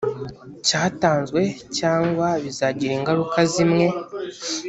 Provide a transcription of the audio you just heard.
cyatanzwe cyangwa bizagira ingaruka zimwe